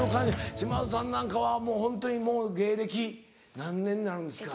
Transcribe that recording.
島津さんなんかはもうホントに芸歴何年になるんですか？